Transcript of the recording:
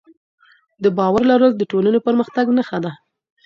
د باور لرل د ټولنې د پرمختګ نښه ده.